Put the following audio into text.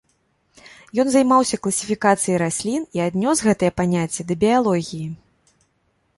Ён займаўся класіфікацыяй раслін і аднёс гэтае паняцце да біялогіі.